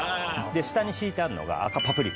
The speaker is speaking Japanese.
下に敷いてあるのが赤パプリカですね。